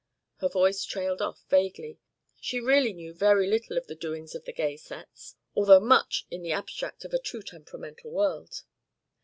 Her voice trailed off vaguely; she really knew very little of the doings of "gay sets," although much in the abstract of a too temperamental world.